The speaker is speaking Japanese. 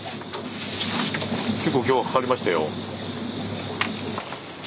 結構今日はかかりましたよ。